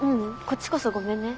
こっちこそごめんね。